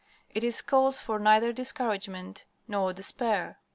It is cause for neither discouragement nor despair.